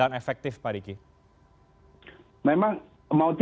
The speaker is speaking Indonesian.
dan semoga tidak tempat